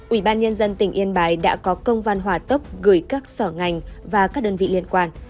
ủy ban nhân dân tỉnh yên bái đã có công văn hỏa tốc gửi các sở ngành và các đơn vị liên quan